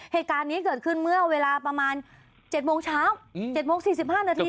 เหตุการณ์นี้เกิดขึ้นเมื่อเวลาประมาณ๗โมงเช้า๗โมง๔๕นาที